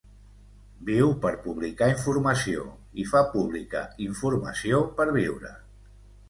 Viu per publicar informació i fa pública informació per viure.